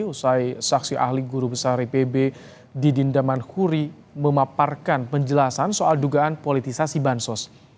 usai saksi ahli guru besar ipb didindaman huri memaparkan penjelasan soal dugaan politisasi bansos